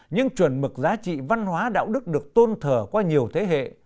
những chuẩn mực giá trị văn hóa đạo đức được tôn thở qua nhiều thế hệ